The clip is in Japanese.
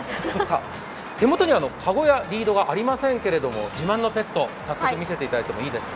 手元に籠やリードがありませんけど自慢のペット、早速見せていただいていいですか？